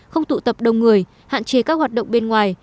không tụ tập đông người hạn chế các hoạt động bên ngoài